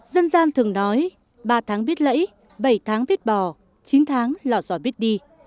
dân gian thường nói ba tháng biết lẫy bảy tháng biết bò chín tháng lò dò biết đi